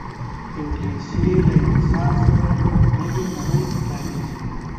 انګلیسي له انسان سره نوې نړۍ پرانیزي